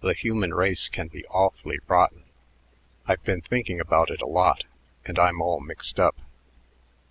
The human race can be awfully rotten. I've been thinking about it a lot, and I'm all mixed up.